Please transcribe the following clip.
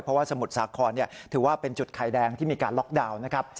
เพราะว่าสมุทรสาครด่ว่าเป็นจุดไขดแดงที่มีการตั้งแรงใจนะครับ